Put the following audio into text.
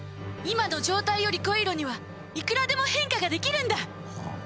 今の状態より濃い色にはいくらでも変化ができるんだ！